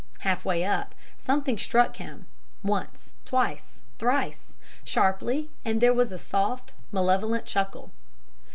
"Half way up something struck him once, twice, thrice, sharply, and there was a soft, malevolent chuckle.